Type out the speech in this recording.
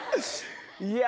いや！